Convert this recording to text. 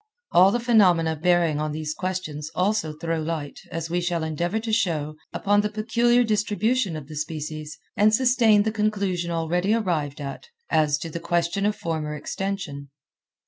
All the phenomena bearing on these questions also throw light, as we shall endeavor to show, upon the peculiar distribution of the species, and sustain the conclusion already arrived at as to the question of former extension.